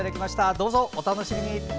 どうぞ、お楽しみに。